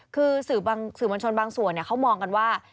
คือสื่อมวลชนบางส่วนเขามองกันว่า